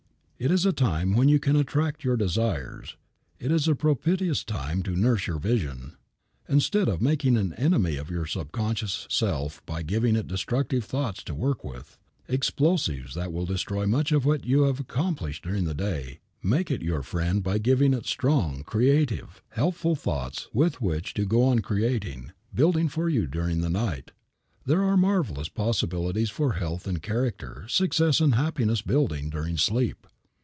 It is a time when you can attract your desires; it is a propitious time to nurse your vision. Instead of making an enemy of your subconscious self by giving it destructive thoughts to work with, explosives that will destroy much of what you have accomplished during the day, make it your friend by giving it strong, creative, helpful thoughts with which to go on creating, building for you during the night. There are marvelous possibilities for health and character, success and happiness building, during sleep.